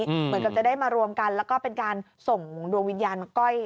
เหมือนกับจะได้มารวมกันแล้วก็เป็นการส่งดวงวิญญาณก้อย